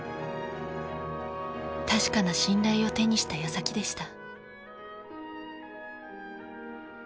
確かな信頼を手にしたやさきでした。